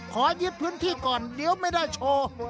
ขอยึดพื้นที่ก่อนเดี๋ยวไม่ได้โชว์